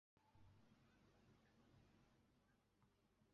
今天见到的是改建后的罗马剧场的遗迹。